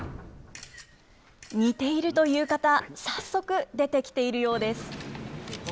似ているという方、早速出てきているようです。